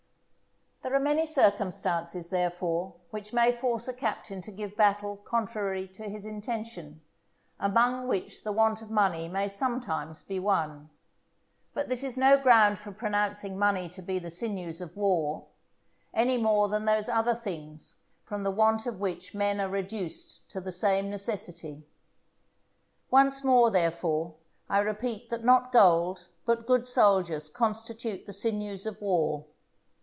There are many circumstances, therefore, which may force a captain to give battle contrary to his intention, among which the want of money may sometimes be one. But this is no ground for pronouncing money to be the sinews of war, any more than those other things from the want of which men are reduced to the same necessity. Once more, therefore, I repeat that not gold but good soldiers constitute the sinews of war.